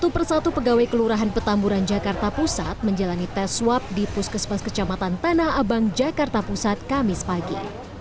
satu persatu pegawai kelurahan petamburan jakarta pusat menjalani tes swab di puskesmas kecamatan tanah abang jakarta pusat kamis pagi